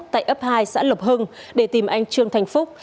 tại ấp hai xã lộc hưng để tìm anh trương thành phúc